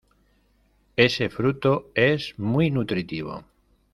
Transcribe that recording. Ese fruto es muy nutritivo.